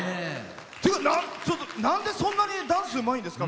なんで、そんなにダンスうまいんですか？